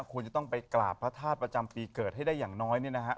ควรจะต้องไปกราบพระธาตุประจำปีเกิดให้ได้อย่างน้อยเนี่ยนะฮะ